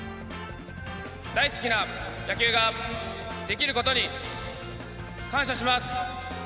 大好きな野球ができることに感謝します。